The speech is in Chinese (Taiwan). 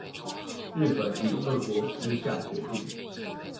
日本與俄國私下決定